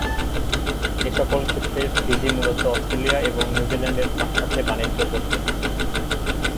এসকল ক্ষেত্রে ফিজি মূলত অস্ট্রেলিয়া এবং নিউজিল্যান্ড এর সাথে বাণিজ্য করত।